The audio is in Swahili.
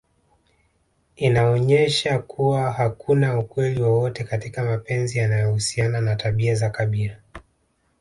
Inaonyesha kuwa hakuna ukweli wowote katika mapenzi yanayohusiana na tabia za kabila